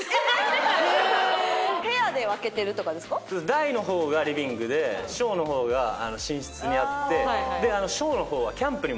大の方がリビングで小の方が寝室にあって。